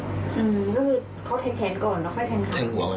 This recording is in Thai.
ผมว่าเราแขนกัน